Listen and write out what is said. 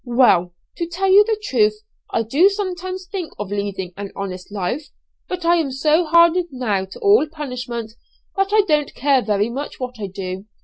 "Well, to tell you the truth, I do sometimes think of leading an honest life. But I am so hardened now to all punishment that I don't care very much what I do.